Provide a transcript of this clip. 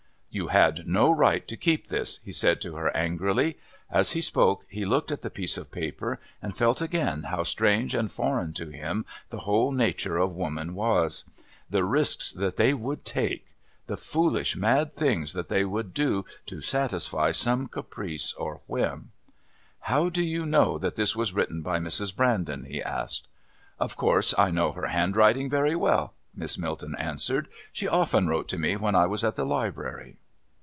"You had no right to keep this," he said to her angrily. As he spoke he looked at the piece of paper and felt again how strange and foreign to him the whole nature of woman was. The risks that they would take! The foolish mad things that they would do to satisfy some caprice or whim! "How do you know that this was written by Mrs. Brandon?" he asked. "Of course I know her handwriting very well," Miss Milton answered. "She often wrote to me when I was at the Library."